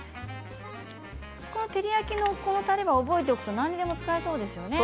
照り焼きのたれを覚えておくと何でも使えそうですよね。